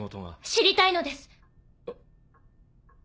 知りたいのです。